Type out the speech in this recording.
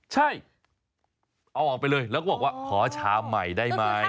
ใช่เอาออกไปเลยแล้วก็บอกว่าขอชามใหม่ได้ไหม